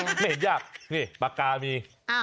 ไม่เห็นยากนี่ปากกามี